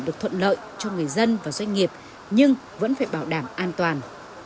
được thuận lợi cho người dân và doanh nghiệp nhưng vẫn phải bảo đảm an toàn